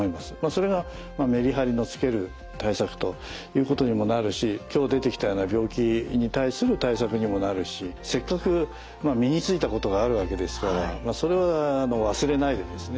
それがメリハリのつける対策ということにもなるし今日出てきたような病気に対する対策にもなるしせっかく身についたことがあるわけですからそれは忘れないでですね